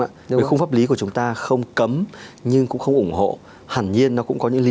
nhưng mà không pháp lý của chúng ta không cấm nhưng cũng không ủng hộ hẳn nhiên nó cũng có những lý